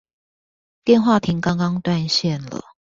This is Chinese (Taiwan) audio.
電話亭剛剛斷線了